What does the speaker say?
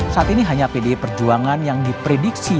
saat ini hanya pdi perjuangan yang diprediksi